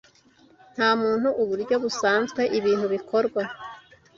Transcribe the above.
Ntamuntu - uburyo busanzwe ibintu bikorwa,